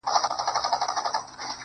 تر تا څو چنده ستا د زني عالمگير ښه دی.